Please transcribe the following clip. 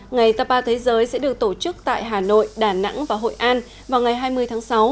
ngày tapa thế giới sẽ được tổ chức tại hà nội đà nẵng và hội an vào ngày hai mươi tháng sáu